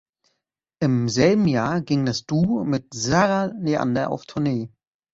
Im selben Jahr ging das Duo mit Zarah Leander auf Tournee.